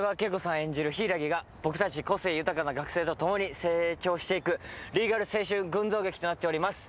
演じる柊木が僕たち個性豊かな学生と共に成長していくリーガル青春群像劇となっております。